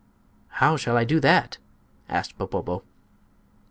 "How shall I do that?" asked Popopo.